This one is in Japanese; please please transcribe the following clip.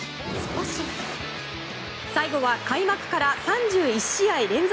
最後は開幕から３１試合連続